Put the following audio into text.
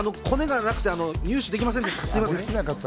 コネがなくて入手できませんでした。